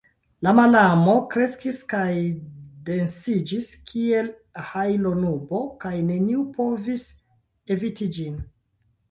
La malamo kreskis kaj densiĝis kiel hajlonubo kaj neniu povis eviti ĝin.